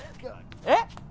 えっ？